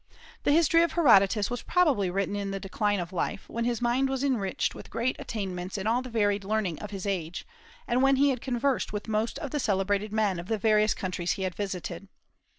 The History of Herodotus was probably written in the decline of life, when his mind was enriched with great attainments in all the varied learning of his age, and when he had conversed with most of the celebrated men of the various countries he had visited.